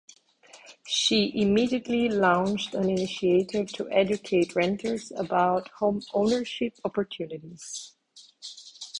She immediately launched an initiative to educate renters about homeownership opportunities.